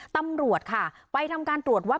ตำรวจค่ะไปทำการตรวจวัด